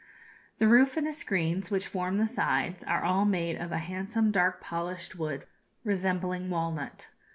The roof and the screens, which form the sides, are all made of a handsome dark polished wood resembling walnut.